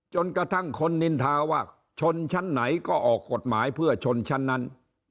จนกระทั่งคนนินทาว่าชนชั้นไหนก็ออกกฎหมายเพื่อชนชั้นนั้น